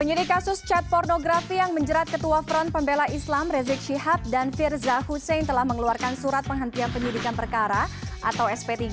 penyidik kasus cat pornografi yang menjerat ketua front pembela islam rizik syihab dan firza husein telah mengeluarkan surat penghentian penyidikan perkara atau sp tiga